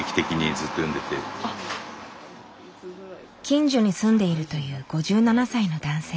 近所に住んでいるという５７歳の男性。